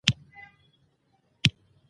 لندۍ ولې د پښتو ځانګړتیا ده؟